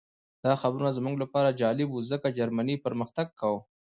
دا خبرونه زموږ لپاره جالب وو ځکه جرمني پرمختګ کاوه